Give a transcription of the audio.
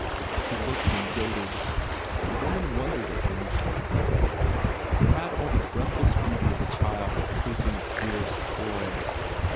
He looked and doted. The woman wondered at him. He had all the breathless beauty of a child facing its dearest toy.